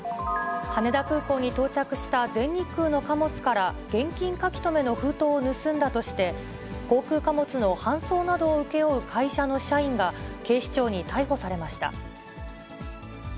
羽田空港に到着した全日空の貨物から、現金書留の封筒を盗んだとして、航空貨物の搬送などを請け負う会社の社員が、警視庁に逮捕されました。